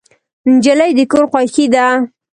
نجلۍ د کور خوښي ده.